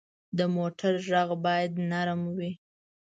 د موټر غږ باید نرم وي.